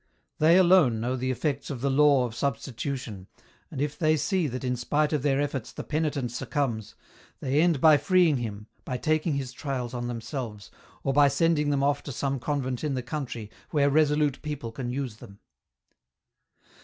They alone know the effects of the law of substitution, and if they see that in spite of their efforts the penitent succumbs, they end by freeing him, by taking his trials on themselves, or by sending them off to some convent in the country where resolute people can use them."